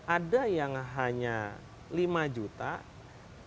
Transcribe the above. ada yang hanya lima juta di ketua